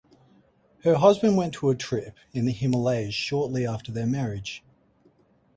Her husband went to a trip in the Himalayas shortly after their marriage.